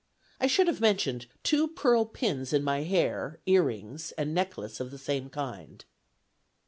I should have mentioned two pearl pins in my hair, ear rings and necklace of the same kind."